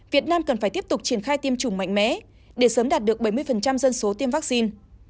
việt nam cần phải tiếp tục triển khai tiêm chủng mạnh mẽ để sớm đạt được bảy mươi dân số tiêm vaccine